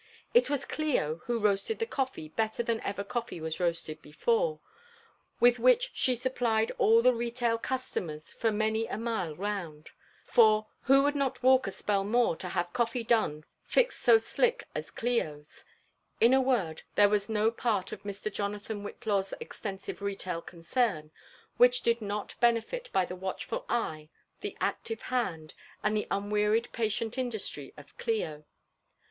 It was Clio who roasted the coffee better than ever coffee was roasted before, with which she supplied all the retail customers for many a mile round ; for who would not walk a spell more, to have coffee done fixed so slick as Clio's f In a word, there was no part of Mr. Jonathan Whillaw's extensive retail concern which did not benefit by the watchful eye, the active hand, and the unwearied patient industry of Clio.